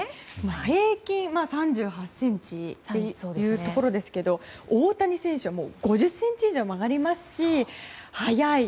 平均３８ｃｍというところですけど大谷選手は５０ｃｍ以上曲がりますし、速い。